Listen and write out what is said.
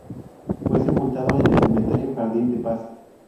Fue sepultado en el cementerio Jardín de Paz.